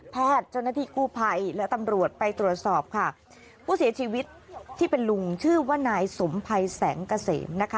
เจ้าหน้าที่กู้ภัยและตำรวจไปตรวจสอบค่ะผู้เสียชีวิตที่เป็นลุงชื่อว่านายสมภัยแสงเกษมนะคะ